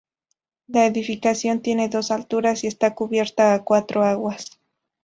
La edificación tiene dos alturas y está cubierta a cuatro aguas.